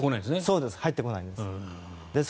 そうです入ってこないんです。